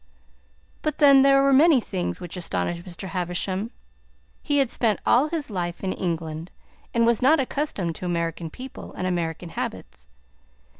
But then there were many things which astonished Mr. Havisham. He had spent all his life in England, and was not accustomed to American people and American habits.